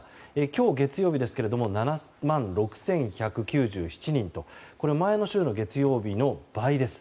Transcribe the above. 今日、月曜日ですけども７万６１９７人と、これは前の週の月曜日の倍です。